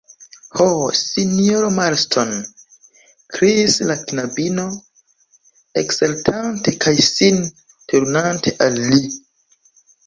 Ho, sinjoro Marston, kriis la knabino, eksaltante kaj sin turnante al li.